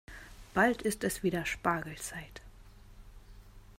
Bald ist es wieder Spargelzeit.